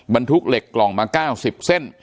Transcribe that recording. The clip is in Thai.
บรรทุกเหล็กกล่องมา๙๐เส้น